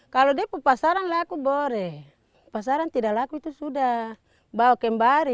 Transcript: kalau dia pemasaran laku boleh pasaran tidak laku itu sudah bawa kembari